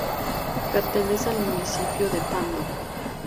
Pertenece al municipio de Pando.